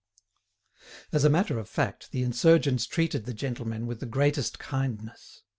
As a matter of fact, the insurgents treated the gentlemen with the greatest kindness.